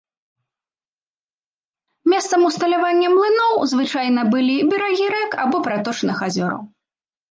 Месцам усталявання млыноў звычайна былі берагі рэк або праточных азёраў.